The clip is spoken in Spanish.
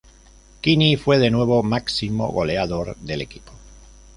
Quini fue, de nuevo, máximo goleador del equipo.